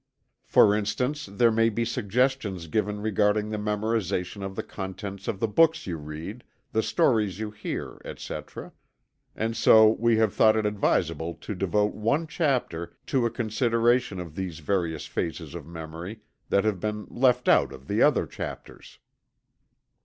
For instance there may be suggestions given regarding the memorization of the contents of the books you read, the stories you hear, etc. And so we have thought it advisable to devote one chapter to a consideration of these various phases of memory that have been "left out" of the other chapters.